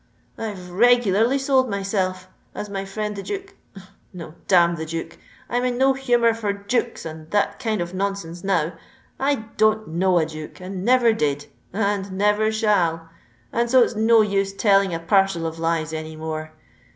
I've regularly sold myself, as my friend the Duke——no, damn the Duke! I'm in no humour for Dukes and that kind of nonsense now—I don't know a Duke, and never did—and never shall—and so it's no use telling a parcel of lies any more!